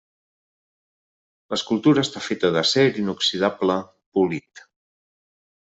L'escultura està feta d'acer inoxidable polit.